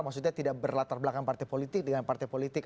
maksudnya tidak berlatar belakang partai politik dengan partai politik